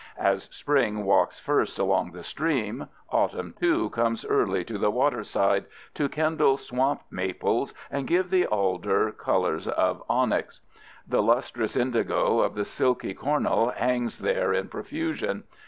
As spring walks first along the stream, autumn, too, comes early to the waterside, to kindle swamp maples and give the alder colors of onyx. The lustrous indigo of the silky cornel hangs there in profusion.